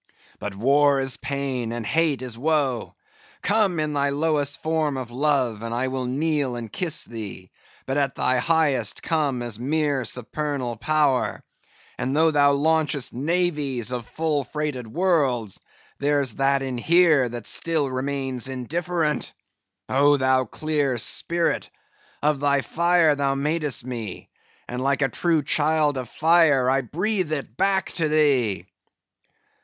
But war is pain, and hate is woe. Come in thy lowest form of love, and I will kneel and kiss thee; but at thy highest, come as mere supernal power; and though thou launchest navies of full freighted worlds, there's that in here that still remains indifferent. Oh, thou clear spirit, of thy fire thou madest me, and like a true child of fire, I breathe it back to thee."